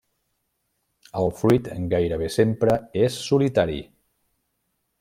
El fruit gairebé sempre és solitari.